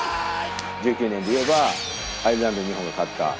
１９年で言えばアイルランドに日本が勝った。